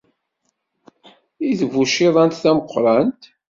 I tbuciḍant tameqqrant.